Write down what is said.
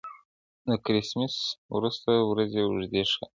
د کرېسمېس وروسته ورځې اوږدې ښکاري.